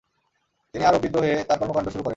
তিনি আরব বিদ্রোহে তার কর্মকাণ্ড শুরু করেন।